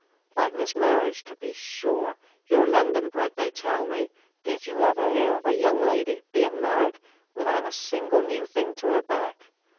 "Like this marriage, to be sure. You're London bred, they tell me. Did you ever hear of a young lady being married without a single new thing to her back?